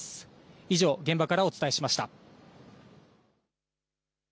以上、現場からお伝えしました。